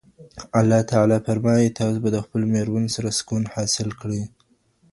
الله تعالی فرمايي، تاسو به د خپلو ميرمنو سره سکون حاصل کړئ